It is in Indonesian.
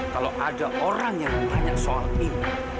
kalau ada orang yang bertanya soal ini